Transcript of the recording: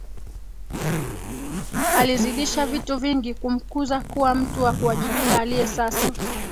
Alizidisha vitu vingi kumkuza kuwa mtu wa kuwajibika aliye sasa